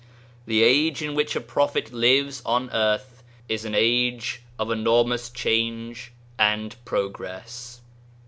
The age in which a Prophet lives on earth is an age of enormous change and progress.